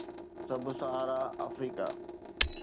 sub سهارا Africa